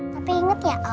tapi inget ya om